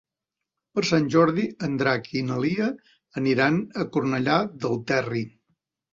Per Sant Jordi en Drac i na Lia aniran a Cornellà del Terri.